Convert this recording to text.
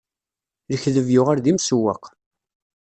Lekdeb yuɣal d imsewweq.